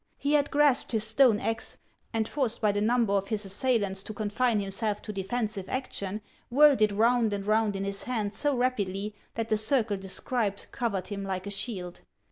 He had grasped his stone axe, and, forced by the number of his assailants to confine himself to defensive action, whirled it round and round in his hand so rapidly that the circle described, covered him like a shield.